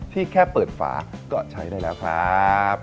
แค่เปิดฝาก็ใช้ได้แล้วครับ